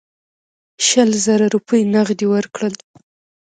شل زره روپۍ نغدي ورکړل.